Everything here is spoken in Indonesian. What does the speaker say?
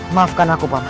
maafkan aku pak man